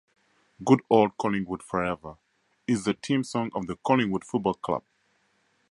"Good Old Collingwood Forever" is the team song of the Collingwood Football Club.